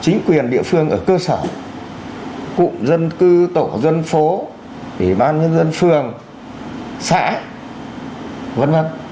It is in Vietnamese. chính quyền địa phương ở cơ sở cụm dân cư tổ dân phố ủy ban nhân dân phường xã v v